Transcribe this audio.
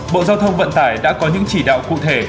bộ giao thông vận tải đã có những chỉ đạo cụ thể